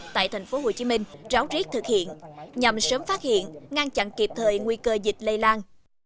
tại tp hcm ráo riết thực hiện nhằm sớm phát hiện ngăn chặn kịp thời nguy cơ dịch lây lan